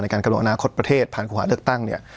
ในการกำหนดอนาคตประเทศผ่านคุณความเลือกตั้ง